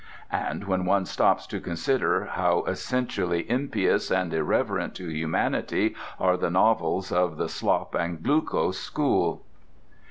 And when one stops to consider, how essentially impious and irreverent to humanity are the novels of the Slop and Glucose school!